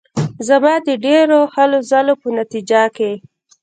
زما د ډېرو هلو ځلو په نتیجه کې.